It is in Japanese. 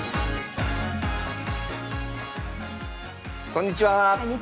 こんにちは。